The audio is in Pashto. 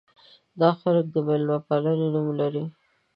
دا خلک د مېلمه پالنې نوم لري.